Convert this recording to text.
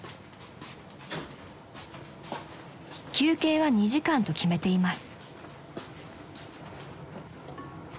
［休憩は２時間と決めています］